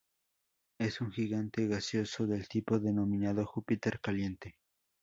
Es un gigante gaseoso del tipo denominado Júpiter caliente.